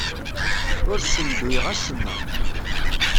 Ur ssenduyeɣ acemma.